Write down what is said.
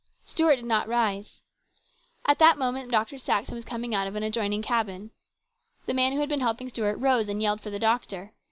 Stuart did not rise. At that moment Dr. Saxon was coming out of the adjoining cabin. The man who had been helping Stuart rose and yelled for the doctor.